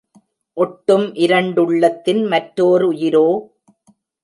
ஒட்டும் இரண்டுள்ளத்தின் மற்றோர் உயிரோ!